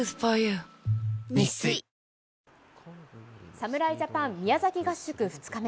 侍ジャパン宮崎合宿２日目。